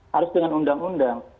harus dengan undang undang